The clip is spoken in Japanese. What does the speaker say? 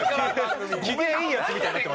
機嫌いいヤツみたいになって。